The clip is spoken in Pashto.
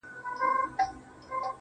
گراني چي د ټول كلي ملكه سې.